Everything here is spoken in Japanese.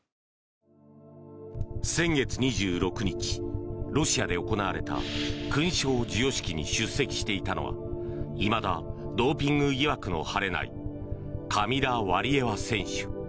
先月２６日、ロシアで行われた勲章授与式に出席していたのはいまだドーピング疑惑の晴れないカミラ・ワリエワ選手。